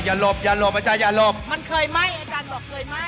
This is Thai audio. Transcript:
มันเคยไหม้อาจารย์บอกเคยไหม้